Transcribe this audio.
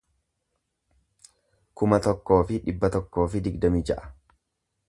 kuma tokkoo fi dhibba tokkoo fi digdamii ja'a